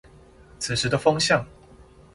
此時的風向